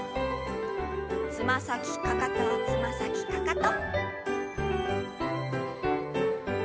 つま先かかとつま先かかと。